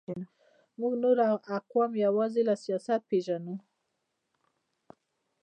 موږ نور اقوام یوازې له سیاست پېژنو.